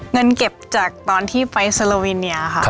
เงินเก็บจากตอนที่ไปสโลวินีาค่ะ